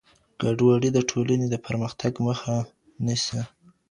ګډوډي د ټولني د پرمختګ مخه نيسي.